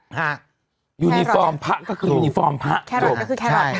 พระแค่หรอแค่หรอก็คือแค่หรอ